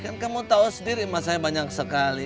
kan kamu tahu sendiri masalahnya banyak sekali